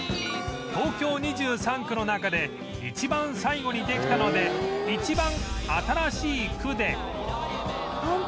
東京２３区の中で一番最後にできたので一番新しい区で